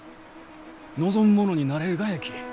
望む者になれるがやき！